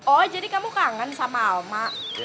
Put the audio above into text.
oh jadi kamu kangen sama alma